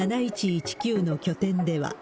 ７１１９の拠点では。